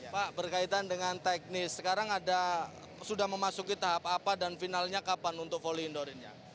pak berkaitan dengan teknis sekarang sudah memasuki tahap apa dan finalnya kapan untuk volley indoor ini